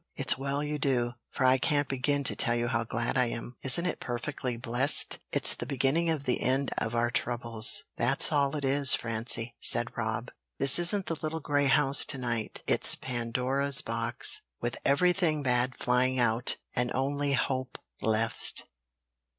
It's well you do, for I can't begin to tell you how glad I am. Isn't it perfectly blessed?" "It's the beginning of the end of our troubles, that's all it is, Francie," said Rob. "This isn't the little grey house to night; it's Pandora's box, with everything bad flying out, and only hope left."